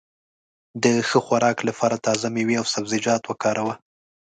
د ښه خوراک لپاره تازه مېوې او سبزيجات وکاروه.